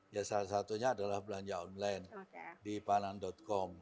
ya salah satunya adalah belanja online di panan com